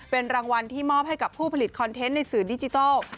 เป็นรางวัลที่มอบให้กับผู้ผลิตคอนเทนต์ในสื่อดิจิทัล